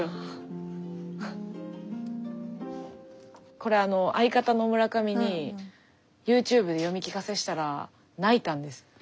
これ相方の村上にＹｏｕＴｕｂｅで読み聞かせしたら泣いたんです。